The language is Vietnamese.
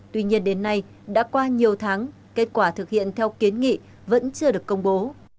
tuy nhiên đến nay đã qua nhiều tháng kết quả thực hiện theo kiến nghị vẫn chưa được công bố